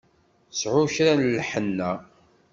Sεu kra n lḥenna!